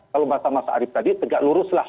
kalau masa masa arief tadi tegak luruslah